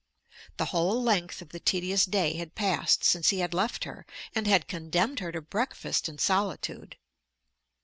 The whole length of the tedious day had passed since he had left her and had condemned her to breakfast in solitude.